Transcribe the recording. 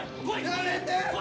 やめて！